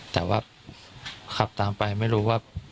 แต่ว่าขับตามไปไม่รู้ว่า